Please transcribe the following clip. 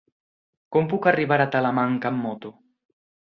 Com puc arribar a Talamanca amb moto?